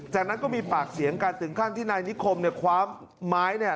จากนั้นก็มีปากเสียงกันถึงขั้นที่นายนิคมคว้าไม้